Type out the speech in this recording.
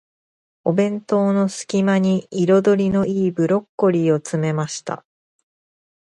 お弁当の隙間に、彩りの良いブロッコリーを詰めました。